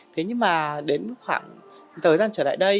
thế nhưng mà đến khoảng thời gian trở lại đây